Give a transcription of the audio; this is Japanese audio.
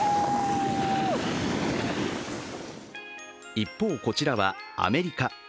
一方、こちらはアメリカ。